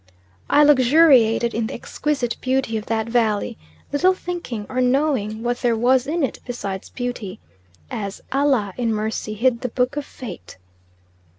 I luxuriated in the exquisite beauty of that valley, little thinking or knowing what there was in it besides beauty, as Allah "in mercy hid the book of fate."